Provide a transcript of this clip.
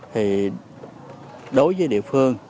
thì đối với địa phương